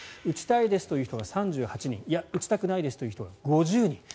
打ちたいですという人が３８人いや、打ちたくないですという人が５０人